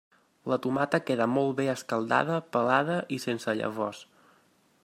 La tomata queda molt bé escaldada, pelada i sense llavors.